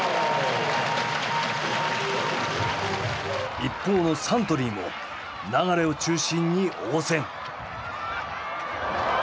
一方のサントリーも流を中心に応戦。